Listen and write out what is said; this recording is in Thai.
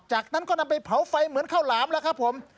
จากนั้นก็นำไปเผาไฟเหมือนข้าวหลามแล้วครับผม